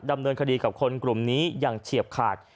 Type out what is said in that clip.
ดำเนินคดีกับคนกลุ่มนี้อย่างเฉียบขาด